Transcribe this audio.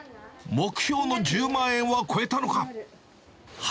目標の１０万円は超えたのか。